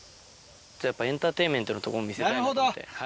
やっぱエンターテインメントなとこ、見せたいので。